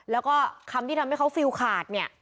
แล้วก็คำที่ทำให้เขาฟิลขาดเนี่ย